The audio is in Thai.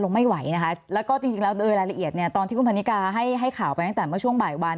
แล้วก็จริงแล้วรายละเอียดตอนที่คุณพนิการ์ให้ข่าวไปตั้งแต่เมื่อช่วงบ่ายบ่าน